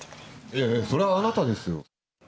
いやいや、それはあなたです。